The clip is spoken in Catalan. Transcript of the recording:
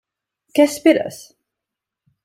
Què esperes?